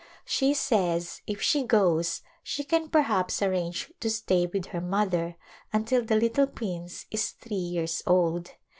She says if she goes she can perhaps arrange to stay with her mother until the little prince is three years old.